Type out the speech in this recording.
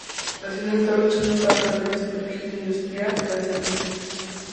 La ciudad está luchando para transferir su perfil de industrial a de servicios.